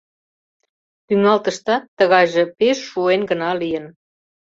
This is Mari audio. Тӱҥалтыштат тыгайже пеш шуэн гына лийын.